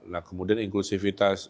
nah kemudian inklusivitas